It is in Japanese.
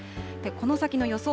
この先の予想